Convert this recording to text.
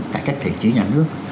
cải cách thể chế nhà nước